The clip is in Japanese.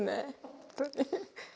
本当に。